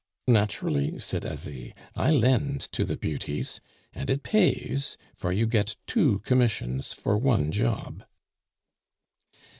"Naturally," said Asie. "I lend to the beauties; and it pays, for you get two commissions for one job."